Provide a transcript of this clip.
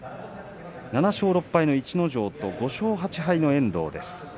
７勝６敗の逸ノ城と５勝８敗の遠藤です。